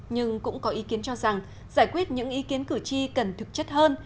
nhưng cũng có ý kiến cho rằng giải quyết những ý kiến cử tri cần thực chất hơn